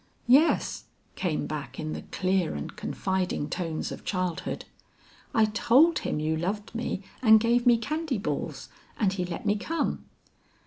"Yes," came back in the clear and confiding tones of childhood. "I told him you loved me and gave me candy balls, and he let me come."